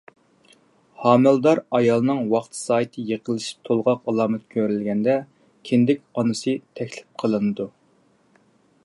ھامىلىدار ئايالنىڭ ۋاقتى-سائىتى يېقىنلىشىپ تولغاق ئالامىتى كۆرۈلگەندە، كىندىك ئانىسى تەكلىپ قىلىنىدۇ.